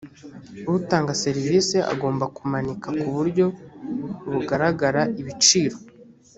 utanga serivisi agomba kumanika ku buryo bugaragara ibiciro